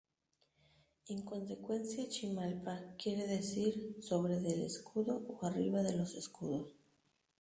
En consecuencia Chimalpa quiere decir "sobre del escudo" o "arriba de los escudos".